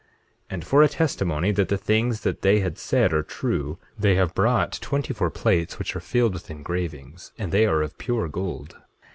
8:9 And for a testimony that the things that they had said are true they have brought twenty four plates which are filled with engravings, and they are of pure gold.